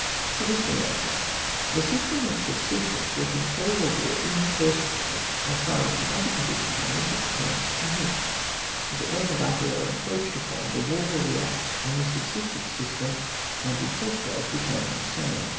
To this we answer : the system of subsistence will control the war, in the first place, as far as the other conditions on which it depends permit; but when the latter are encroached upon, the war wiU react on the subsistence sys tem, and in such case determine the same.